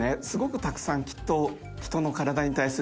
すごくたくさんきっと。